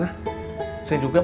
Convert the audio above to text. eh maksudnya mucha terduduk